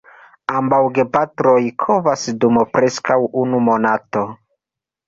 Ambaŭ gepatroj kovas dum preskaŭ unu monato.